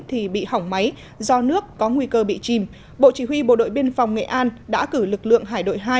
thì bị hỏng máy do nước có nguy cơ bị chìm bộ chỉ huy bộ đội biên phòng nghệ an đã cử lực lượng hải đội hai